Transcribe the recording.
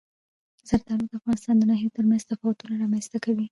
زردالو د افغانستان د ناحیو ترمنځ تفاوتونه رامنځ ته کوي.